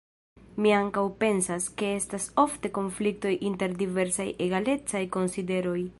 Mi ankaŭ pensas, ke estas ofte konfliktoj inter diversaj egalecaj konsideroj.